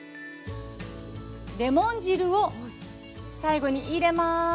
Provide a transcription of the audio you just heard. レモン汁を最後に入れます。